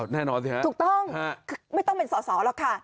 แน่นอนสิฮะถูกต้องไม่ต้องเป็นสอสอหรอกค่ะ